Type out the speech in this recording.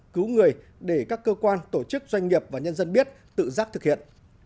cứu người để các cơ quan tổ chức doanh nghiệp và nhân dân biết tự giác thực hiện